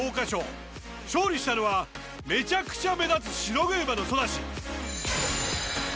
勝利したのはめちゃくちゃ目立つ白毛馬のソダシ。